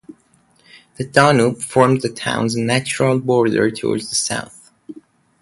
The Danube forms the town's natural border towards the south.